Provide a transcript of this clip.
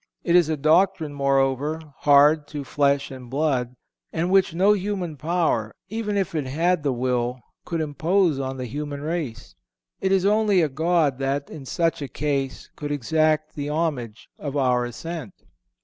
It is a doctrine, moreover, hard to flesh and blood, and which no human power, even if it had the will, could impose on the human race. It is only a God that, in such a case, could exact the homage of our assent.